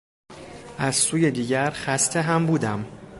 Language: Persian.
از سوی دیگر خسته هم بودم.